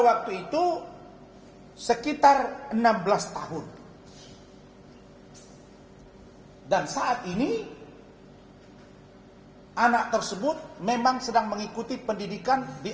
waktu itu sekitar enam belas tahun dan saat ini anak tersebut memang sedang mengikuti pendidikan di